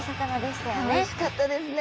おいしかったですね！